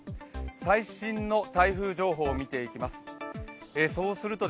最新の台風情報を見ていきます。